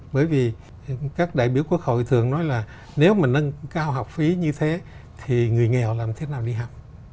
bởi vì các đại biểu quốc hội thường nói là nếu mà nâng cao học phí như thế thì người nghèo làm thế nào đi học